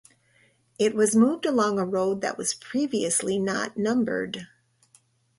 It was moved along a road that was previously not numbered.